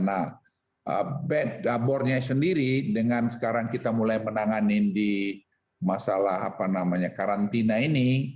nah bed abornya sendiri dengan sekarang kita mulai menangani di masalah karantina ini